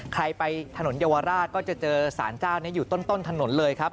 ใครไปถนนเยาวราชก็จะเจอสารเจ้านี้อยู่ต้นถนนเลยครับ